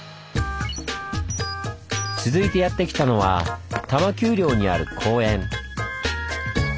続いてやって来たのは多摩丘陵にある公園。